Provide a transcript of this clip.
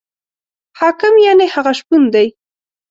حاکم یعنې هغه شپون دی.